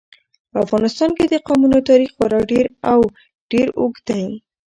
په افغانستان کې د قومونه تاریخ خورا ډېر او ډېر اوږد دی.